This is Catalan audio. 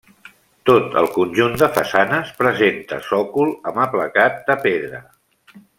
Tot el conjunt de façanes presenta sòcol amb aplacat de pedra.